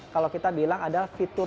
kalau kita bilang adalah fitur